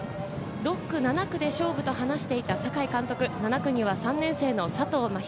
６区、７区で勝負と話していた酒井監督、７区には３年生の佐藤真優。